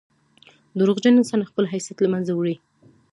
• دروغجن انسان خپل حیثیت له منځه وړي.